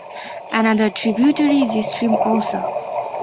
Another tributary is stream Osa.